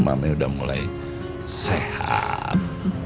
mami udah mulai sehat